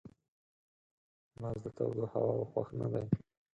باز د تودو هواوو خوښ نه دی